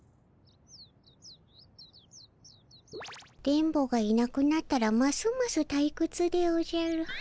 電ボがいなくなったらますますたいくつでおじゃる。